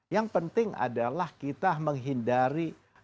yang penting adalah kita menghindari